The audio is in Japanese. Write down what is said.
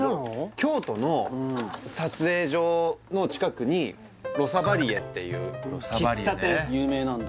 京都の撮影所の近くに「ロサバリエ」っていう喫茶店有名なんだ？